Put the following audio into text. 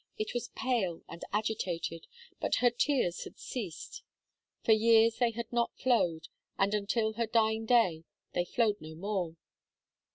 It was pale and agitated; but her tears had ceased. For years they had not flowed, and until her dying day, they flowed no more.